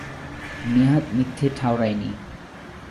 নেহাত মিথ্যে ঠাওরায় নি।